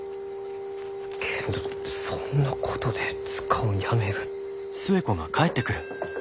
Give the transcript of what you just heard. けんどそんなことで図鑑をやめる。